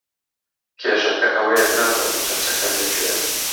کێشەکە ئەوەیە نازانم چەترەکەم لەکوێیە.